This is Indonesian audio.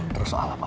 terus soal apa pak